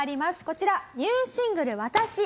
こちらニューシングル『わたし』。